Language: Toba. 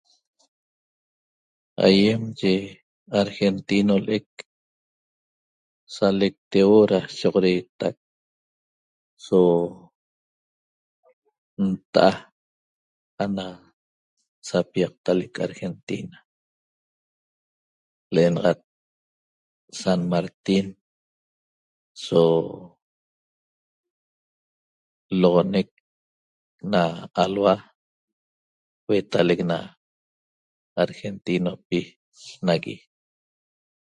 Aýem yi argentino l'ec salecteuo da sho'oxodeetat so nta'a ana sapiaqtalec Argentina L'enaxat San Martin so loxonec na alhua huetalec na argentinopi nagui